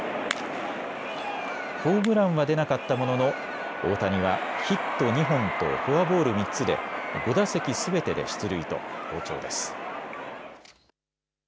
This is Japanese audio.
ホームランは出なかったものの大谷はヒット２本とフォアボール３つで５打席すべてで出塁と好調です。